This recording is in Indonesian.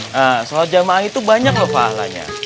nah sholat jamaa itu banyak loh fahlanya